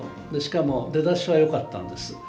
しかも、出だしはよかったんです。